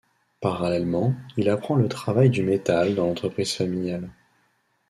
Parallèlement, il apprend le travail du métal dans l’entreprise familiale.